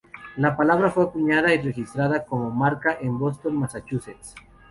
La palabra fue acuñada y registrada como marca en Boston, Massachusetts.